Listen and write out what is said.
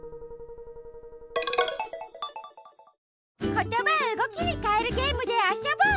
ことばをうごきにかえるゲームであそぼう！